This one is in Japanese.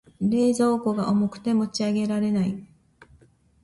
冷蔵庫が重くて持ち上げられない。